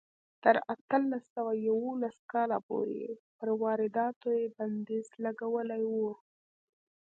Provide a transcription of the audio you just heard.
تر اتلس سوه یوولس کاله پورې یې پر وارداتو بندیز لګولی و.